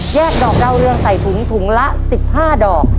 ดอกดาวเรืองใส่ถุงถุงละ๑๕ดอก